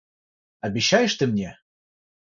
Обещаешь ты мне?...